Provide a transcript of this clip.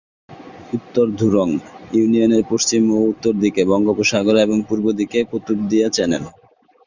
উত্তর ধুরুং ইউনিয়নের পশ্চিম ও উত্তর দিকে বঙ্গোপসাগর এবং পূর্ব দিকে কুতুবদিয়া চ্যানেল।